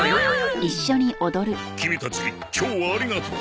キミたち今日はありがとう。